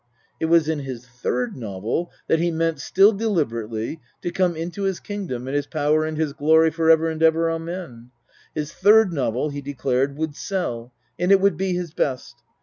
It was in his third novel that he meant, still deliber ately, to come into his kingdom and his power and his glory, for ever and ever, Amen. His third novel, he declared, would sell ; and it would be his best.